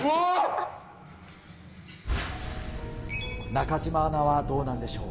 中島アナはどうなんでしょう？